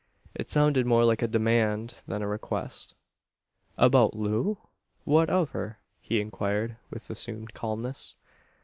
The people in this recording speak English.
It sounded more like a demand than a request. "About Loo? What of her?" he inquired, with assumed calmness.